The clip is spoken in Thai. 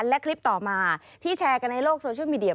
และคลิปต่อมาที่แชร์กันในโลกโซเชียลมีเดีย